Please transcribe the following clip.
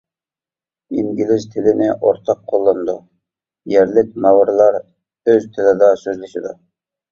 ئىنگلىز تىلىنى ئورتاق قوللىنىدۇ، يەرلىك ماۋرىلار ئۆز تىلىدا سۆزلىشىدۇ.